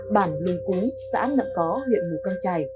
bản lùng cúng xã nậm có huyện mù căng trải